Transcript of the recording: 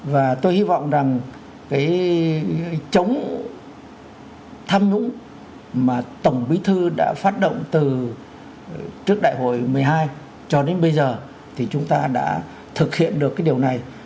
và tôi hy vọng rằng cái chống tham nhũng mà tổng bí thư đã phát động từ trước đại hội một mươi hai cho đến bây giờ thì chúng ta đã thực hiện được cái điều này